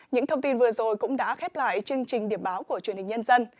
những thông tin vừa rồi cũng đã khép lại chương trình điểm báo của truyền hình nhân dân